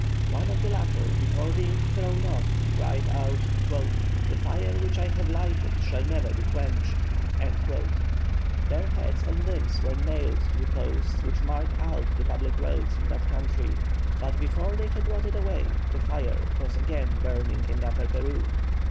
One of the latter before being thrown off cried out: "The fire which I have lighted shall never be quenched." Their heads and limbs were nailed to the posts which mark out the public roads in that country, but before they had rotted away the fire was again burning in Upper Peru.